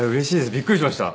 びっくりしました。